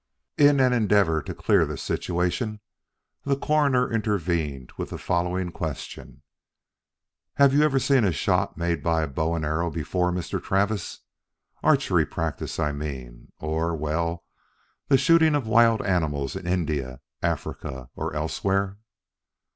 In an endeavor to clear the situation, the Coroner intervened with the following question: "Have you ever seen a shot made by a bow and arrow before, Mr. Travis? Archery practice, I mean. Or well, the shooting of wild animals in India, Africa or elsewhere?"